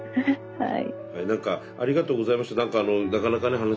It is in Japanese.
はい。